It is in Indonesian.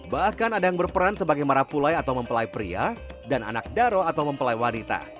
bahkan ada yang berperan sebagai marapulai atau mempelai pria dan anak daro atau mempelai wanita